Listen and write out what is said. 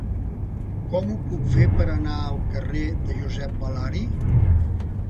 Com ho puc fer per anar al carrer de Josep Balari?